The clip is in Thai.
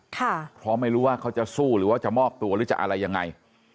เพราะไม่รู้ว่าเขาจะสู้หรือว่าจะมอบตัวหรือจะอะไรยังไง